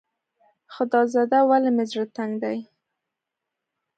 خدازده ولې مې زړه تنګ دی.